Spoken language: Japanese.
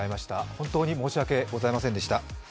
本当に申し訳ございませんでした。